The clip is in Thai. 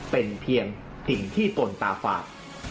เป็นเพียงสิ่งที่ตนตาฝาด